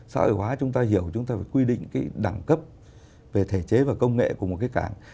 xã hội hóa chúng ta hiểu chúng ta phải quy định cái đẳng cấp về thể chế và công nghệ của một cái cảng